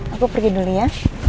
aku pergi dulu ya